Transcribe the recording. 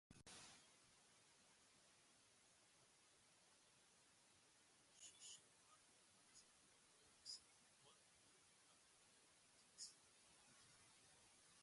The "Mushishi" manga has been well received both by the public and critics.